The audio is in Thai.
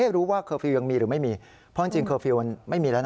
รู้ว่าเคอร์ฟิลลยังมีหรือไม่มีเพราะจริงเคอร์ฟิลล์มันไม่มีแล้วนะ